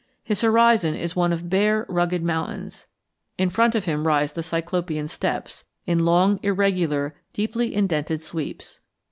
His horizon is one of bare, rugged mountains. In front of him rise the "Cyclopean steps" in long, irregular, deeply indented sweeps.